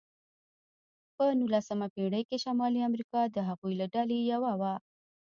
په نوولسمه پېړۍ کې شمالي امریکا د هغوی له ډلې یوه وه.